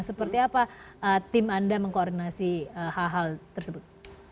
seperti apa tim anda mengkoordinasi hal hal tersebut